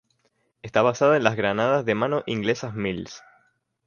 Estaba basada en las granadas de mano inglesas Mills.